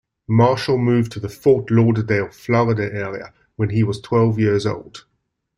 Marshall moved to the Fort Lauderdale, Florida area when he was twelve years old.